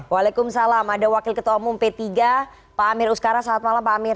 waalaikumsalam ada wakil ketua umum p tiga pak amir uskara selamat malam pak amir